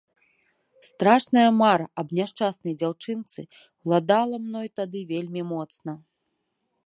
Страшная мара аб няшчаснай дзяўчынцы ўладала мной тады вельмі моцна.